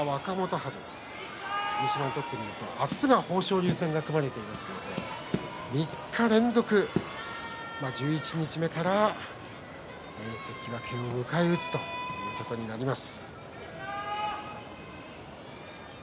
春霧島にとってみると明日、豊昇龍戦が組まれていますので３日連続、十一日目から関脇を迎え打つということになります。